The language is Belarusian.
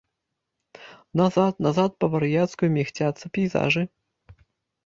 Назад, назад па-вар'яцку мігцяцца пейзажы.